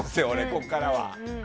ここからは。